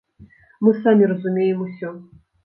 Мы самі разумеем усё.